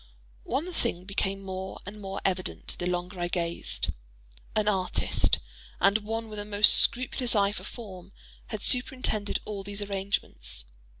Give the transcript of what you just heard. One thing became more and more evident the longer I gazed: an artist, and one with a most scrupulous eye for form, had superintended all these arrangements.